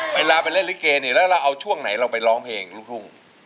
เวลาไปเล่นลิเกเนี่ยแล้วเราเอาช่วงไหนเราไปร้องเพลงลูกทุ่ง